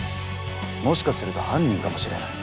もしかすると犯人かもしれない。